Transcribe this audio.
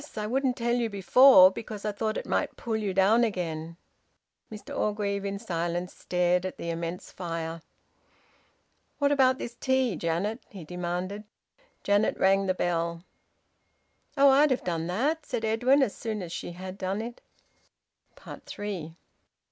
I wouldn't tell you before because I thought it might pull you down again." Mr Orgreave, in silence, stared at the immense fire. "What about this tea, Janet?" he demanded. Janet rang the bell. "Oh! I'd have done that!" said Edwin, as soon as she had done it. THREE.